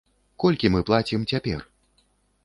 Колькі мы плацім цяпер?